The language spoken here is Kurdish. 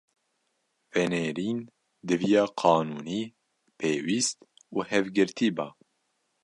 venêrîn diviya “qanûnî”, pêwîst û hevgirtî” ba;